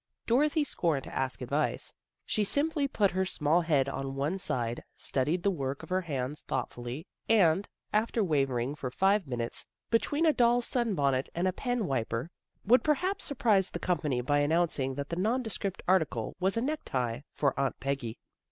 Dorothy scorned to ask advice; she simply put her small head on one side, studied the work of her hands thoughtfully, and, after wavering for five minutes between a doll's sunbonnet and a penwiper, would perhaps surprise the company by announcing that the nondescript article was a necktie for Aunt Peggy.